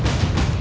aku akan menang